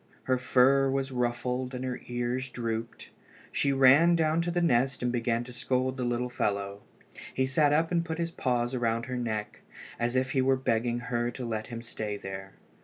Her fur was ruffled and her ears drooped. She ran down to the nest and began to scold the little fellow. He sat up and put his paws around her neck, as if he were begging her to let him stay there.